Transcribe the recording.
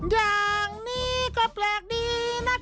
อย่างนี้ก็แปลกดีนะคะ